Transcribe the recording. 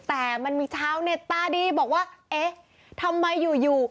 แต่มันมีชาวเน็ตตาดีบอกว่าเอ๊ะทำไมอยู่อยู่